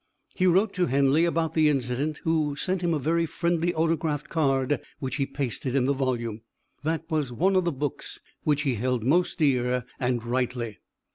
He wrote to Henley about the incident, who sent him a very friendly autographed card which he pasted in the volume. That was one of the books which he held most dear, and rightly.